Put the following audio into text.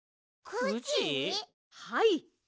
はい。